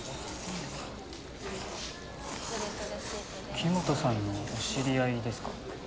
黄本さんのお知り合いですか？